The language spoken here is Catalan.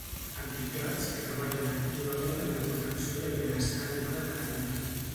Entitats que treballen activament en la protecció i el benestar animal a Catalunya.